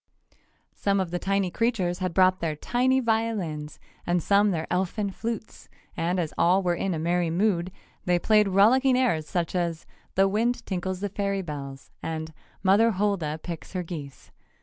Some of the tiny creatures had brought their tiny violins and some their elfin flutes, and as all were in a merry mood they played rollicking airs such as "The Wind Tinkles the Fairy Bells" and "Mother Hulda Picks Her Geese."